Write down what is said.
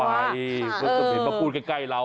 เอนี่นะคุณต้องผิดมาขึ้นใกล้เรา